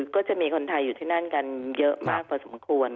ก็จะมีคนไทยอยู่ที่นั่นกันเยอะมากพอสมควร